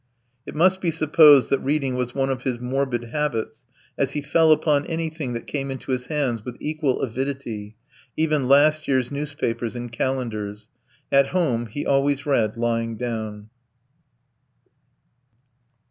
It must be supposed that reading was one of his morbid habits, as he fell upon anything that came into his hands with equal avidity, even last year's newspapers and calendars. At home he always read lying down.